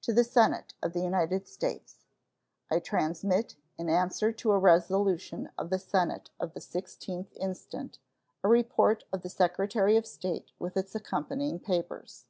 To the Senate of the United States: I transmit, in answer to a resolution of the Senate of the 16th instant, a report of the Secretary of State, with its accompanying papers.